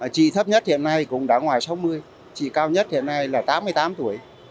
chị thấp nhất hiện nay cũng đã ngoài sáu mươi chị cao nhất hiện nay là tám mươi tám tuổi